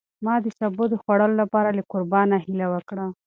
ما د سابو د خوړلو لپاره له کوربه نه هیله وکړه.